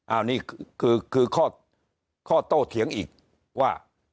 อันนี้คือข้อโต้เถียงอีกว่า